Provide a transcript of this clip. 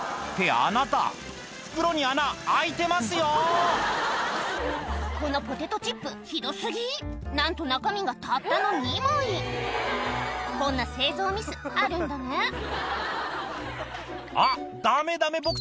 あなた袋に穴開いてますよこのポテトチップひど過ぎなんと中身がたったの２枚こんな製造ミスあるんだねあっダメダメボク